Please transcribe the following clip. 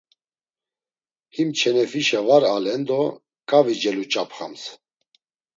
Him çenefişe var alen do k̆avi celuç̆apxams.